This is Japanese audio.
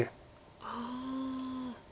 ああ。